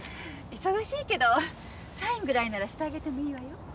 忙しいけどサインぐらいならしてあげてもいいわよ。